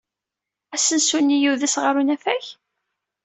Asensu-nni yudes ɣer unafag?